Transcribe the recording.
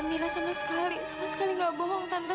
mila sama sekali sama sekali gak bohong tante